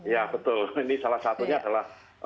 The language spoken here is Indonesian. ya betul ini salah satunya adalah